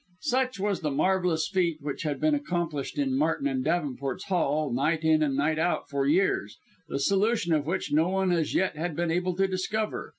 Such was the marvellous feat which had been accomplished in Martin and Davenport's Hall night in and night out for years, the solution of which no one as yet had been able to discover.